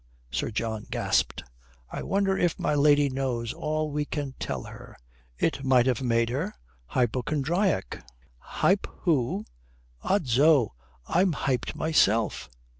Sir John gasped. "I wonder if my lady knows all we can tell her. It might have made her hypochondriac." "Hip who? Odso, I am hipped myself."